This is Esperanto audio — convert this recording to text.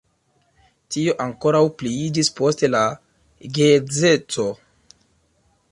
Tio ankoraŭ pliiĝis post la geedzeco.